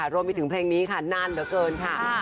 รวมไปถึงเพลงนี้ค่ะนานเหลือเกินค่ะ